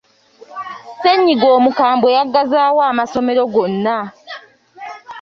Ssennyiga omukamwe yaggazaawo amasomero gonna.